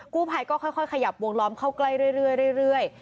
กู้ภัยก็ค่อยขยับวงล้อมเข้าใกล้เรื่อย